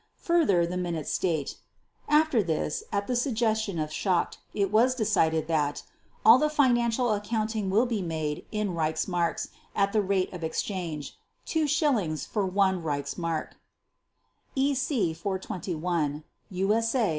Further, the minutes state: "After this, at the suggestion of Schacht, it was decided that ... all the financial accounting will be made in Reichsmarks at the rate of exchange: two schillings for one Reichsmark" (EC 421, USA 645).